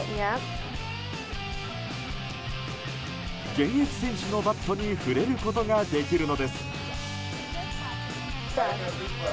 現役選手のバットに触れることができるのです。